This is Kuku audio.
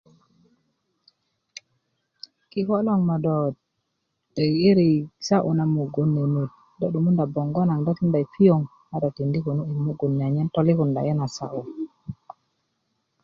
kiko loŋ ma do tengiri sa'yu na mugun nenut do 'dumunda bongo nagon do tikinda i pioŋ a do tindi konu i mugun ni anyen tolikunda i na sa'yu